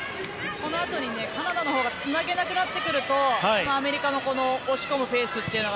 このあとにカナダのほうがつなげなくなってくるとアメリカは押し込むペースというのが